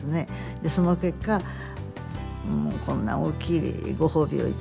でその結果こんな大きいご褒美を頂いて。